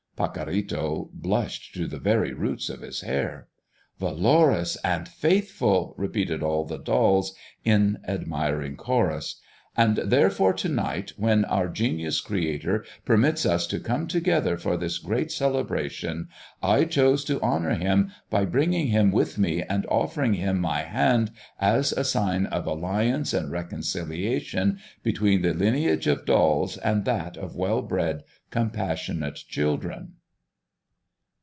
Pacorrito blushed to the very roots of his hair. "Valorous and faithful!" repeated all the dolls, in admiring chorus. "And therefore to night, when our Genius Creator permits us to come together for this great celebration, I chose to honor him by bringing him with me and offering him my hand as a sign of alliance and reconciliation between the lineage of dolls and that of well bred, compassionate children."